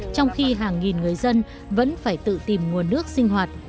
trong khi hàng nghìn người dân vẫn phải tự tìm nguồn nước sinh hoạt